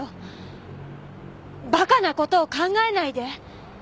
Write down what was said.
バカなことを考えないで